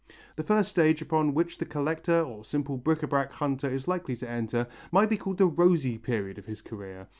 The first stage upon which the collector or simple bric à brac hunter is likely to enter might be called the rosy period of his career.